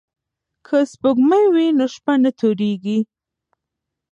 که سپوږمۍ وي نو شپه نه تورېږي.